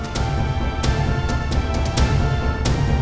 siapa tau mereka mau maafin kamu